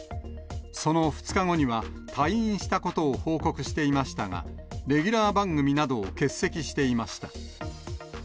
その２日後には退院したことを報告していましたが、レギュラー番組などを欠席していました。